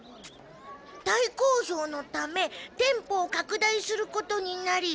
「大好評のため店舗を拡大することになり